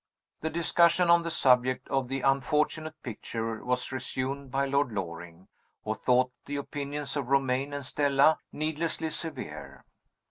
The discussion on the subject of the unfortunate picture was resumed by Lord Loring, who thought the opinions of Romayne and Stella needlessly severe.